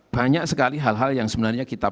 banyak sekali hal hal yang sebenarnya kita